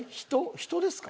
人ですか？